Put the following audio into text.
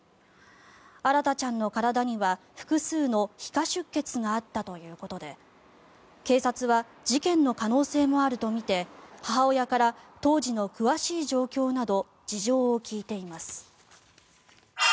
新大ちゃんの体には複数の皮下出血があったということで警察は事件の可能性もあるとみて母親から当時の詳しい状況など事情を聴いています。